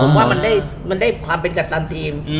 ผมว่ามันได้ความเป็นกัปตันทีม